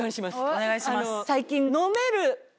お願いします。